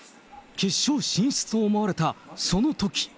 決勝進出と思われた、そのとき。